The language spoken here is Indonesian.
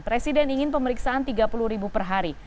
presiden ingin pemeriksaan tiga puluh ribu per hari